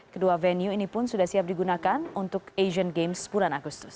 kedua venue ini pun sudah siap digunakan untuk asian games bulan agustus